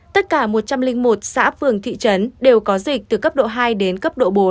tất cả một trăm linh một xã phường thị trấn đều có dịch từ cấp độ hai đến cấp độ bốn